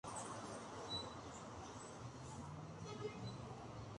La Chapelle-d'Aunainville